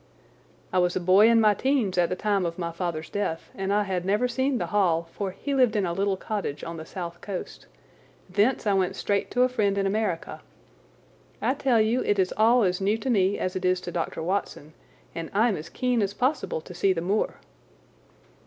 "I was a boy in my teens at the time of my father's death and had never seen the Hall, for he lived in a little cottage on the South Coast. Thence I went straight to a friend in America. I tell you it is all as new to me as it is to Dr. Watson, and I'm as keen as possible to see the moor."